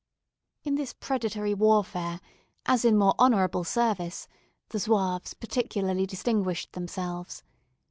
In this predatory warfare, as in more honourable service, the Zouaves particularly distinguished themselves.